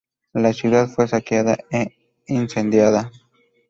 La ciudad fue saqueada e incendiada.